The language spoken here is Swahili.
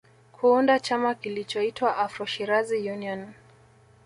Kuunda chama kilichoitwa Afro Shirazi Union